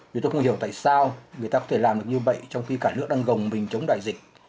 vì tôi không hiểu tại sao người ta có thể làm được như vậy trong khi cả nước đang gồng mình chống đại dịch